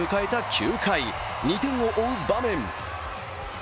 ９回２点を追う場面。